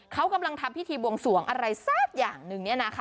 เขากำลังทำพิธีบวงสวงอะไรซักอย่างนึงนี่นะคะ